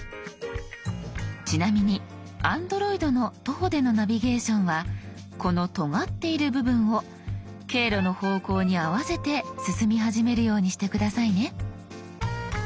ちなみにＡｎｄｒｏｉｄの徒歩でのナビゲーションはこのとがっている部分を経路の方向に合わせて進み始めるようにして下さいね。